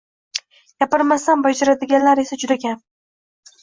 Gapirmasdan bajaradiganlar esa juda kam.